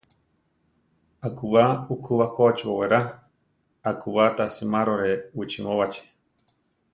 Akubá uku bakochi bowerá; akubá ta simárore wichimóbachi.